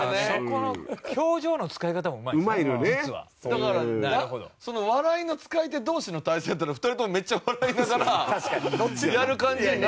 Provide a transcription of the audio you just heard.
だから笑いの使い手同士の対戦やったら２人ともめっちゃ笑いながらやる感じになるのかな？